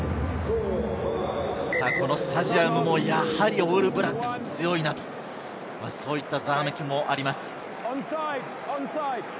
スタジアムも、やはりオールブラックス強いなという、ざわめきもあります。